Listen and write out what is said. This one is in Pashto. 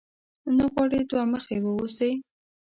نه غواړې دوه مخی واوسې؟